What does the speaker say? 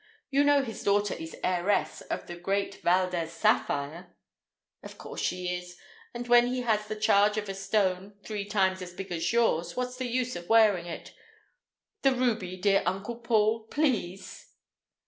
You know his daughter is heiress of the great Valdez sapphire—" "Of course she is, and when he has the charge of a stone three times as big as yours, what's the use of wearing it? The ruby, dear Uncle Paul, please!"